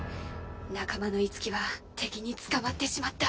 仲間の樹は敵に捕まってしまった。